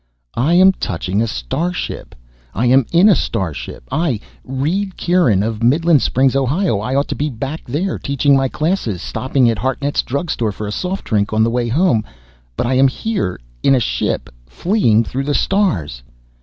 _I am touching a starship, I am in a starship, I, Reed Kieran of Midland Springs, Ohio. I ought to be back there, teaching my classes, stopping at Hartnett's Drug Store for a soft drink on the way home, but I am here in a ship fleeing through the stars